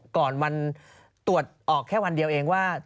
ก่อนวันตรวจออกแค่วันเดียวเองว่า